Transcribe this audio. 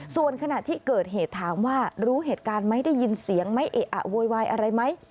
ส่วนขณะที่เกิดเหตุถามว่ารู้เหตุการณ์ไหมได้ยินเสียงไหมเอะอะโวยวายอะไรไหม